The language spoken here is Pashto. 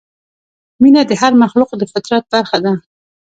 مینه د هر مخلوق د فطرت برخه ده.